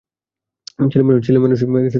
ছেলেমানুষি করবেন না।